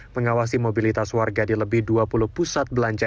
mengawasi mobilitas warga di lebih dua puluh pusat belanja